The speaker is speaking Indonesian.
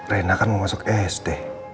reina kan mau masuk sd